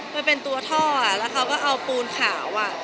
มันเป็นตัวท่อแล้วเขาก็เอาปูนขาว